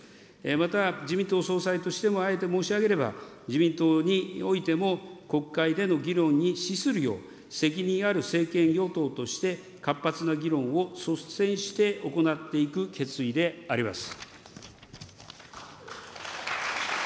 また自民党総裁としてもあえて申し上げれば、自民党においても国会での議論に資するよう、責任ある政権与党として活発な議論を率先して行っていく決意であります。